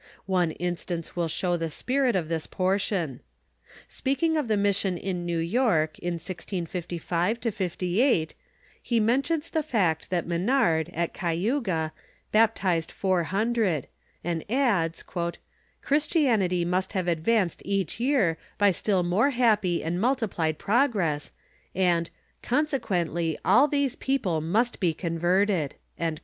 One instance will show the spirit of this por tion. Speaking of the mission in New '^'' ^rk, in 1655 58, he mentions tlie fact that Menard, at Cayuga, baptized four hundred ; and odds, " Christianity must have advanced each year by still more happy and multiplied progress, and con sequently all these people must be converted."